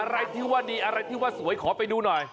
อะไรที่ว่าดีอะไรที่ว่าสวยขอไปดูหน่อย